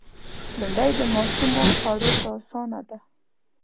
بېنډۍ د ماشومو خوړ ته آسانه ده